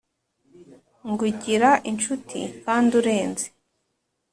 Nkugira incuti kandi urenze